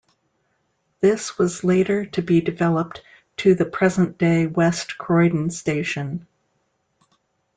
This was later to be developed to the present-day West Croydon station.